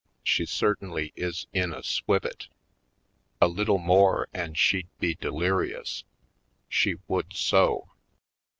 She certainly is in a swivit. A little more and she'd be deliri ous — she would so!